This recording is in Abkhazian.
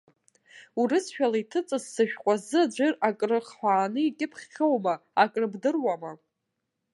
Урысшәала иҭыҵыз сышәҟәазы аӡәыр акрахҳәааны икьыԥхьхьоума, акрыбдыруама?